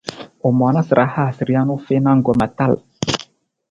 U moona sa ra haasa rijang u fiin anggoma tal.